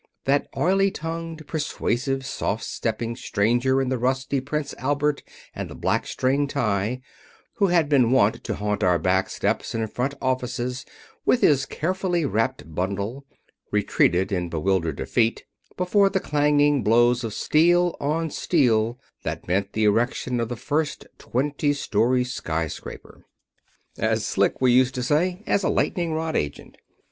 That oily tongued, persuasive, soft stepping stranger in the rusty Prince Albert and the black string tie who had been wont to haunt our back steps and front offices with his carefully wrapped bundle, retreated in bewildered defeat before the clanging blows of steel on steel that meant the erection of the first twenty story skyscraper. "As slick," we used to say, "as a lightning rod agent."